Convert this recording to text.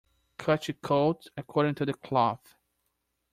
Cut your coat according to the cloth.